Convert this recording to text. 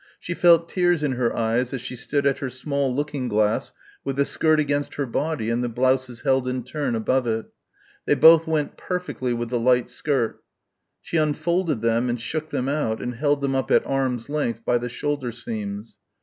she felt tears in her eyes as she stood at her small looking glass with the skirt against her body and the blouses held in turn above it ... they both went perfectly with the light skirt.... She unfolded them and shook them out and held them up at arms' length by the shoulder seams.